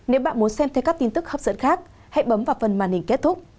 nếu bạn muốn xem thấy các tin tức hấp dẫn khác hãy bấm vào phần màn hình kết thúc